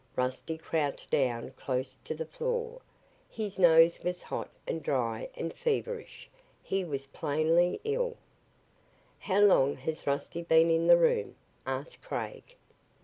Rusty crouched down close to the floor. His nose was hot and dry and feverish. He was plainly ill. "How long has Rusty been in the room?" asked Craig.